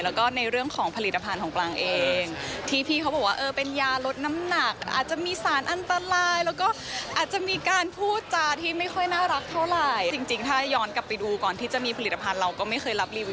แล้วก็ก่อนหน้าที่จะทำผลิตภัณฑ์ก็ไม่เคยรับเช่นกันอะไรอย่าง